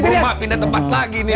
ntar kebombak pindah tempat lagi nih